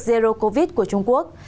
zero covid của trung quốc